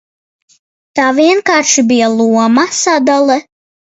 Tā vienkārši bija loma sadale.